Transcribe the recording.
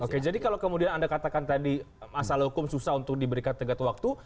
oke jadi kalau kemudian anda katakan tadi masalah hukum susah untuk diberikan tegak waktu